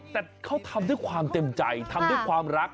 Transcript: แต่เขาทำด้วยความเต็มใจทำด้วยความรัก